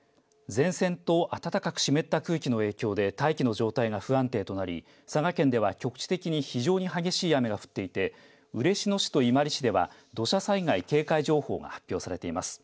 前線と暖かく湿った空気の影響で大気の状態が不安定となり佐賀県では、局地的に非常に激しい雨が降っていて嬉野市と伊万里市では土砂災害警戒情報が発表されています。